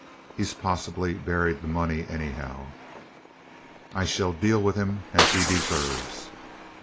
He 's possibly buried the money, anyhow." "I shall deal with him as he deserves."